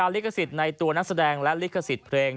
ลิขสิทธิ์ในตัวนักแสดงและลิขสิทธิ์เพลง